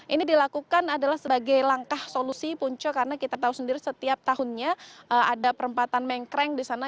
ini dilakukan adalah sebagai langkah solusi punca karena kita tahu sendiri setiap tahunnya ada perempatan mengkreng di sana